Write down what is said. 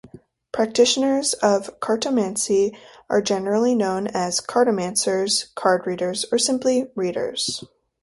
Practitioners of cartomancy are generally known as "cartomancers", "card readers", or simply "readers".